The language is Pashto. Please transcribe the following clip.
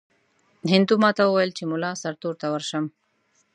هندو ماته وویل چې مُلا سرتور ته ورشم.